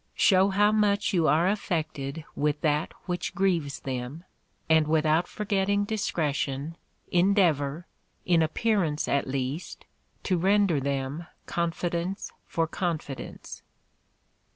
Show how much you are affected with that which grieves them, and without forgetting discretion, endeavor, in appearance at least, to render them confidence for confidence.